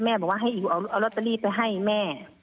บอกว่าให้อิ๋วเอาลอตเตอรี่ไปให้แม่